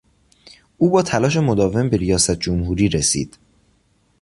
او با تلاش مداوم به ریاست جمهوری رسید.